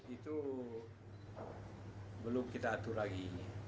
itu belum kita atur lagi